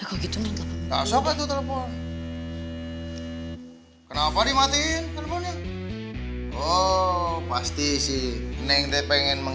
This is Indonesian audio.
eh kalau gitu neng